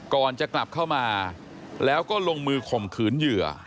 ก่อนจะกลับเข้ามาแล้วก็ลงมือข่มขืนเหยื่อ